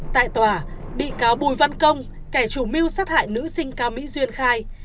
tại tòa bị cáo bùi văn công kẻ chủ mưu sát hại nữ sinh cao mỹ duyên khai